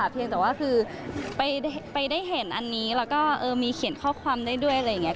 เพียงแต่ว่าคือไปได้เห็นอันนี้แล้วก็มีเขียนข้อความได้ด้วยอะไรอย่างนี้